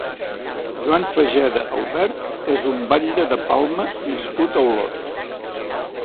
Joan Fageda Aubert és un batlle de Palma nascut a Olot.